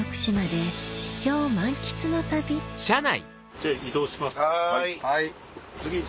じゃあ移動します。